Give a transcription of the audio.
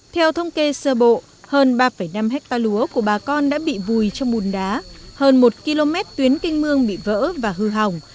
theo thông kê sơ bộ hơn ba năm hectare lúa của bà con đã bị vùi trong bùn đá hơn một km tuyến kinh mương bị vỡ và hư hỏng